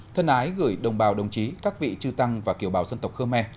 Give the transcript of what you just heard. thân ái gửi đồng bào đồng chí các vị trư tăng và kiều bào dân tộc khơ me